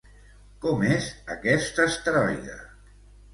Com és aquest asteroide?